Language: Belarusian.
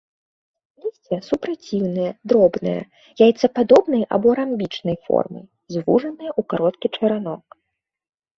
Лісце супраціўнае, дробнае, яйцападобнай або рамбічнай формы, звужанае ў кароткі чаранок.